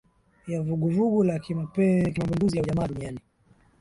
Ya vuguvugu la kimapinduzi ya ujamaa duniani